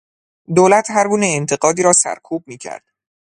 دولت هرگونه انتقادی را سرکوب میکرد.